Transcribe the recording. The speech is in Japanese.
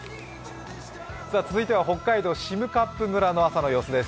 続いては北海道占冠村の朝の様子です。